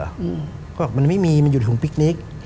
เขาบอกมันไม่มีมันอยู่ในถุงพิกนิก